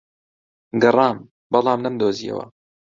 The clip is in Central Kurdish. گەڕام، بەڵام نەمدۆزییەوە.